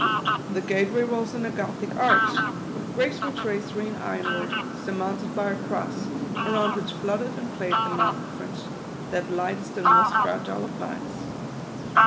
The gate way rose in a Gothic arch, with graceful tracery in iron work, surmounted by a Cross, around which flut tered and played the Mountain Fringe, that lightest and most fragile of vines.